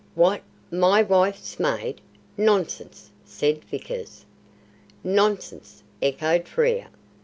"What! my wife's maid? Nonsense!" said Vickers. "Nonsense!" echoed Frere.